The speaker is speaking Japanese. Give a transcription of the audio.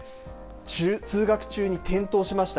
通学中に転倒しました。